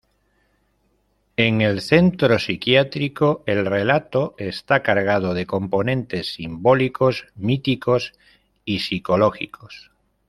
En el centro psiquiátrico, el relato está cargado de componentes simbólicos, míticos y psicológicos.